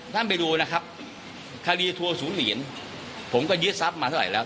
ท่านไปดูคดีทัวร์สูรีนผมก็ยึดทรัพย์มาเท่าไหร่แล้ว